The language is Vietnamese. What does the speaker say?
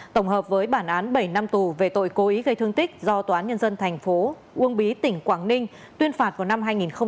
tổng hợp với bản án bảy năm tù về tội cố ý gây thương tích do tòa án nhân dân thành phố uông bí tỉnh quảng ninh tuyên phạt vào năm hai nghìn một mươi